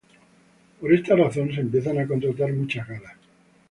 Por esta razón se empiezan a contratar muchas galas.